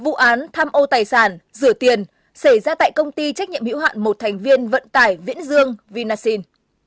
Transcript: sáu vụ án lừa đảo trí nất tài sản rửa tiền xảy ra tại công ty trách nhiệm hữu hạn một thành viên vận tải viễn dương vinasin